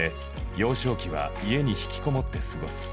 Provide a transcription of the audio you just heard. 幼少期は家に引きこもって過ごす。